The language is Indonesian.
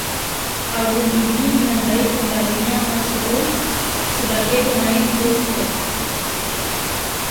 Album ini menandai kembalinya Matt Sorum sebagai pemain drum Cult.